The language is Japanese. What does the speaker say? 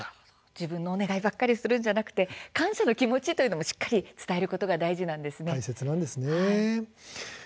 自分のお願いばかりするんじゃなくて感謝の気持ちというのもしっかり伝えることが大切なんですね。